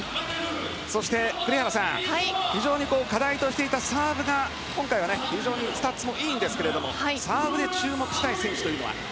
そして、栗原さん課題としていたサーブが今回は、非常にスタッツもいいんですけどもサーブで注目したい選手というのは？